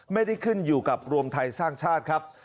ไม่ได้ขึ้นอยู่กับรวมไทยสร้างชาติครับ